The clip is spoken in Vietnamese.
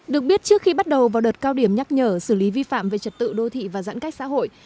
được biết trước khi bắt đầu vào đợt cao điểm nhắc nhở xử lý vi phạm về trật tự đô thị và giãn cách xã hội